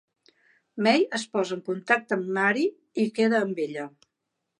May es posa en contacte amb Mary i queda amb ella.